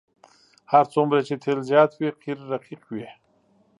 هر څومره چې تیل زیات وي قیر رقیق وي